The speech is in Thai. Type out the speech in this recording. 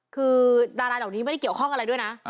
คือดาราเหล่านี้ไม่ได้เกี่ยวข้องอะไรด้วยนะ